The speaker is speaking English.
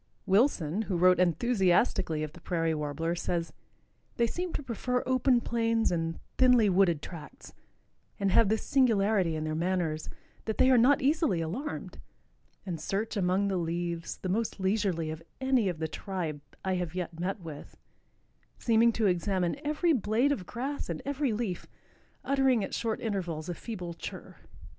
Wilson, who wrote enthusiastically of the Prairie Warbler, says: "They seem to prefer open plains and thinly wooded tracts, and have this singularity in their manners, that they are not easily alarmed, and search among the leaves the most leisurely of any of the tribe I have yet met with, seeming to examine every blade of grass and every leaf, uttering at short intervals a feeble chirr."